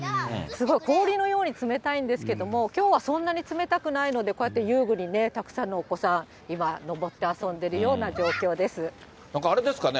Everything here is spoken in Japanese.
氷にように冷たいんですけども、きょうはそんなに冷たくないので、こうやって遊具にたくさんのお子さん、今、なんかあれですかね？